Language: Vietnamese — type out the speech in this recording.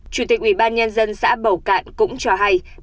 chủ tịch ubnd xã bầu cạn cũng cho hay